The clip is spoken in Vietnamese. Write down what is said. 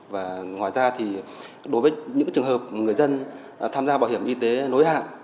và ngoài ra thì đối với những trường hợp người dân tham gia bảo hiểm y tế nối hạn